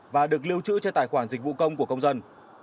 và được lưu trữ trên tài khoản dịch vụ công của công dân